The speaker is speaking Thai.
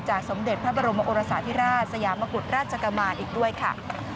สมเด็จพระบรมโอรสาธิราชสยามกุฎราชกุมารอีกด้วยค่ะ